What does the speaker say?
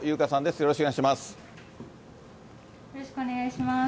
よろしくお願いします。